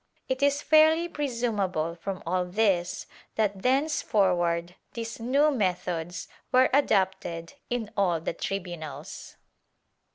It is fairly presum able from all this that thenceforward these new methods were adopted in all the tribunals.